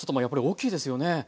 やっぱり大きいですよね。